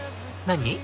何？